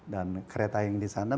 dan kereta yang di sana